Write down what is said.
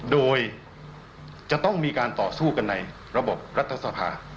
โดยจะต้องมีการต่อสู้กันในระบบรัฐสภา